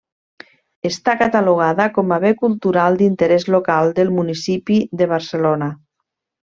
Està catalogada com a bé cultural d'interès local del municipi de Barcelona.